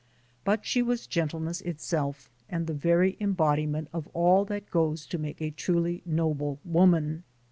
But she was gentleness itself and the very embodiment of all that goes to make a truly noble woman.